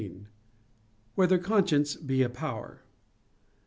13] Whether Conscience Be a Power?